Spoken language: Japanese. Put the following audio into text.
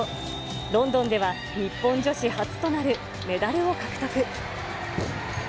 ロンドンでは、日本女子初となるメダルを獲得。